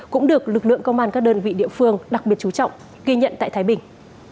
cũng được lực lượng công an các đơn vị địa phương đặc biệt chú trọng ghi nhận tại thái bình